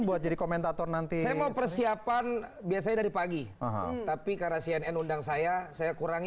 menjadi komentator nanti persiapan biasanya dari pagi tapi karena cnn undang saya saya kurangi